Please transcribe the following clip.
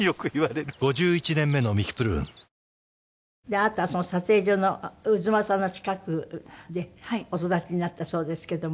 あなたその撮影所の太秦の近くでお育ちになったそうですけども。